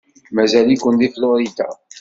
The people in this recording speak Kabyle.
Mazal-iken deg Florida?